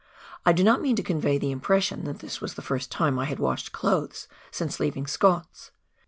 I do not mean to convey the impression that this was the first time I had washed clothes since leaving Scott's